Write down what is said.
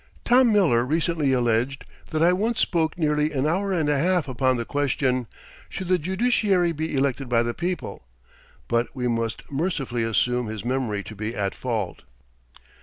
Tom Miller recently alleged that I once spoke nearly an hour and a half upon the question, "Should the judiciary be elected by the people?" but we must mercifully assume his memory to be at fault.